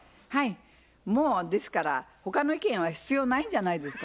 もうですから他の意見は必要ないんじゃないですか？